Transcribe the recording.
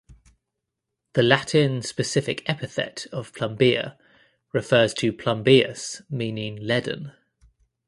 The Latin specific epithet of "plumbea" refers to "plumbeus" meaning leaden.